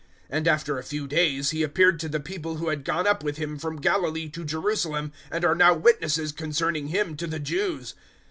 013:031 And, after a few days, He appeared to the people who had gone up with Him from Galilee to Jerusalem and are now witnesses concerning Him to the Jews.